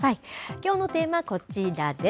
きょうのテーマ、こちらです。